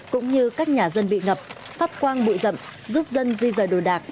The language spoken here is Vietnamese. cũng như các nhà dân bị ngập phát quang bụi rậm giúp dân di rời đồ đạc